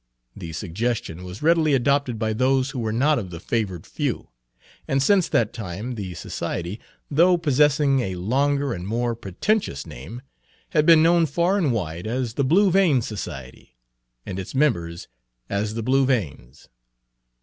The suggestion was readily adopted by those who were not of the favored few, Page 2 and since that time the society, though possessing a longer and more pretentious name, had been known far and wide as the "Blue Vein Society" and its members as the "Blue Veins."